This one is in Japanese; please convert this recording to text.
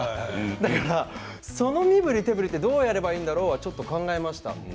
だから、その身ぶり手ぶりでどうやればいいんだろうとかちょっと考えました。